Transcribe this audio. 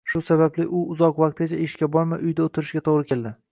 Shu sababli u uzoq vaqtgacha ishga bormay, uyda o`tirishiga to`g`ri keldi